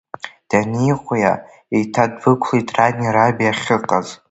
Даниҟәиа, еиҭадәықәлеит рани раби ахьыҟаз.